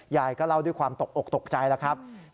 ยายก็เล่าด้วยความตกอกตกใจแล้วครับ